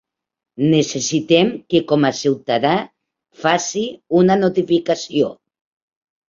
Necessitem que com a ciutadà, faci una notificació.